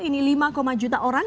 ini lima juta orang